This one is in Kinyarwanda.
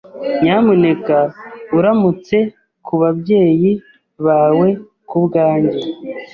Nyamuneka uramutse kubabyeyi bawe kubwanjye.